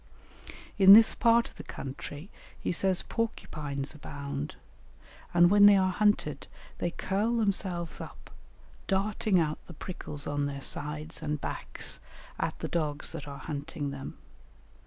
In this part of the country he says porcupines abound, and when they are hunted they curl themselves up, darting out the prickles on their sides and backs at the dogs that are hunting them.